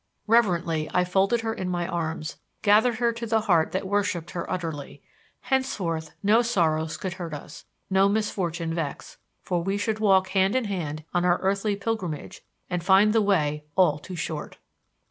Reverently I folded her in my arms; gathered her to the heart that worshiped her utterly. Henceforth no sorrows could hurt us, no misfortune vex; for we should walk hand in hand on our earthly pilgrimage and find the way all too short.